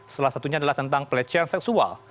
salah satunya adalah tentang pelecehan seksual